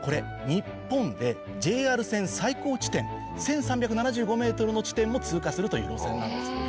日本でＪＲ線最高地点１３７５ｍの地点も通過するという路線なんですよね。